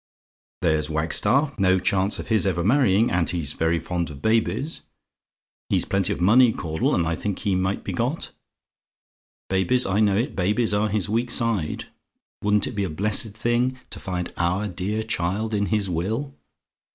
"There's Wagstaff. No chance of his ever marrying, and he's very fond of babies. He's plenty of money, Caudle; and I think he might be got. Babies, I know it babies are his weak side. Wouldn't it be a blessed thing to find our dear child in his will?